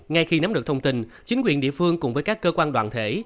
ngay khi nắm được thông tin chính quyền địa phương cùng với các cơ quan đoàn thể